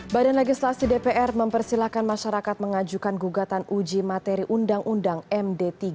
badan legislasi dpr mempersilahkan masyarakat mengajukan gugatan uji materi undang undang md tiga